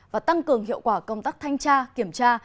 và tăng cường hiệu quả công tác thanh tra kiểm tra